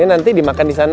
ini nanti dimakan di sana ya